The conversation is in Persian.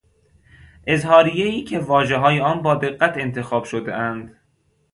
اظهاریهای که واژههای آن با دقت انتخاب شدهاند